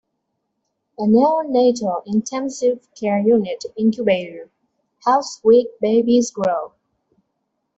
A Neonatal Intensive Care Unit Incubator helps weak babies grow.